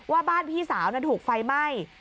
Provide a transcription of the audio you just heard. ว่าบ้านพี่สาวถูกไฟไหม้